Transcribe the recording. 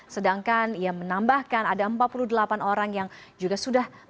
sedangkan ia menambahkan ada empat puluh delapan orang yang juga sudah